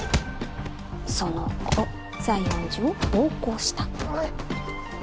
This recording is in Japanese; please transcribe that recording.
その後西園寺を暴行した。